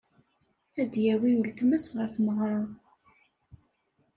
Ad d-yawi ultma-s ɣer tmeɣra.